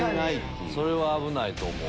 それは危ないと思う。